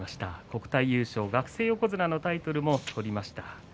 国体優勝、学生横綱のタイトルを取りました。